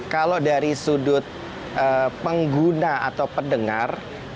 kalau dari sudut pengguna atau pendengar